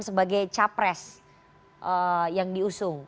sebagai capres yang diusung